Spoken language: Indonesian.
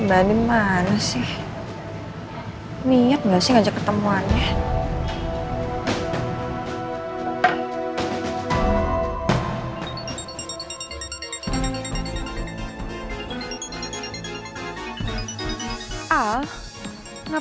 berarti posisi elsa semakin tidak aman sekarang